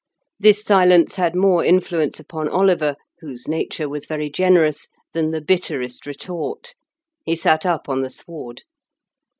This silence had more influence upon Oliver, whose nature was very generous, than the bitterest retort. He sat up on the sward.